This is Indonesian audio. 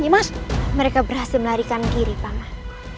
mereka berhasil melarikan kiri paman